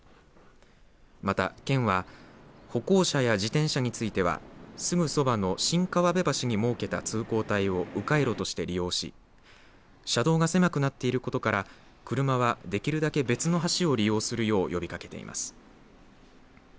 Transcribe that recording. また県は歩行者や自転車についてはすぐそばの新川辺橋に設けた通行帯をう回路として利用し車道が狭くなっていることから車はできるだけ別の橋を利用するよう呼びかけています。